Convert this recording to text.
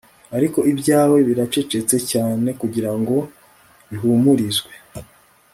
ariko ibyawe biracecetse cyane kugirango bihumurizwe